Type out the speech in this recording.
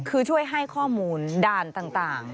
คือช่วยให้ข้อมูลด่านต่าง